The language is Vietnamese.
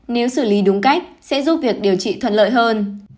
nếu xử lý đúng cách sẽ giúp việc điều trị thuận lợi hơn